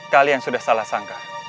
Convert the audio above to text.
kalian sudah salah sangka